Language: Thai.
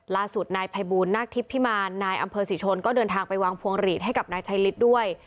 ล่าสุดนายภัยบูลนักทิพพิมารนายอำเภอศรีชนก็เดินทางไปวางพวงหลีดให้กับนายชัยฤทธิ์ด้วย